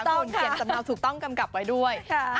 ต้นเก็บสำนักถูกต้องกำกับไว้ด้วย